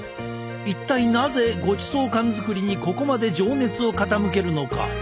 一体なぜごちそう缶作りにここまで情熱を傾けるのか。